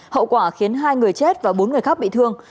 hậu quả khiến hai người chết và bốn người khác bị thương